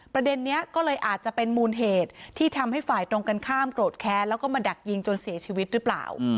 ประเด็นนี้ก็เลยอาจจะเป็นมูลเหตุที่ทำให้ฝ่ายตรงกันข้ามโกรธแค้นแล้วก็มาดักยิงจนเสียชีวิตหรือเปล่า